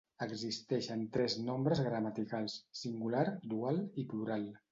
Existeixen tres nombres gramaticals, singular, dual, i plural.